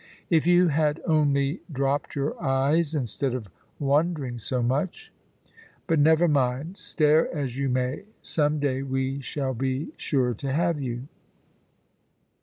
If you had only dropped your eyes, instead of wondering so much but never mind, stare as you may, some day we shall be sure to have you."